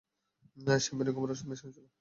শ্যাম্পেনে ঘুমের ওষুধ মেশানো ছিল।